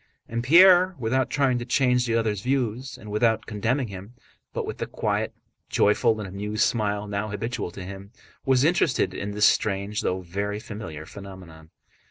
And Pierre, without trying to change the other's views and without condemning him, but with the quiet, joyful, and amused smile now habitual to him, was interested in this strange though very familiar phenomenon.